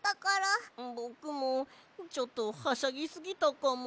ぼくもちょっとはしゃぎすぎたかも。